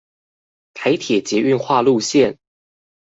台鐵捷運化路線